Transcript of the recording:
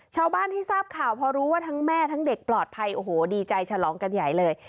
ชาวบ้านที่ทราบข่าวพอรู้ว่าทั้งแม่ทั้งเด็กปลอดภัยโอ้โหดีใจฉลองกันใหญ่เลย